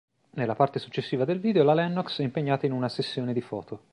Nella parte successiva del video la Lennox è impegnata in una sessione di foto.